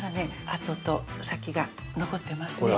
あとと先が残ってますね